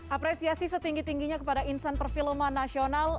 apresiasi setinggi tingginya kepada insan perfilman nasional